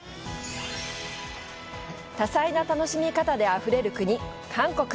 多彩な楽しみ方であふれる国・韓国！